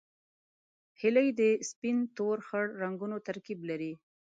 هیلۍ د سپین، تور، خړ رنګونو ترکیب لري